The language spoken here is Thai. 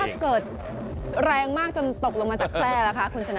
เกิดแรงมากจนตกลงมาจากแคร่ล่ะคะคุณชนะ